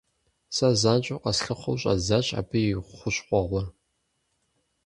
Сэ занщӀэу къэслъыхъуэу щӀэздзащ абы и хущхъуэгъуэ.